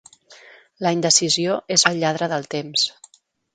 La indecisió és el lladre del temps.